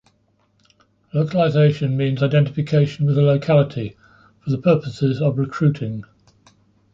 Localization means identification with a locality for the purposes of recruiting.